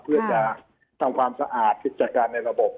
เพื่อจะทำความสะอาดกิจการในระบบ